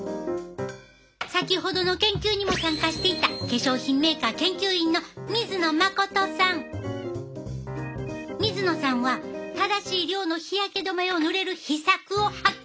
先ほどの研究にも参加していた水野さんは正しい量の日焼け止めを塗れる秘策を発見したんや！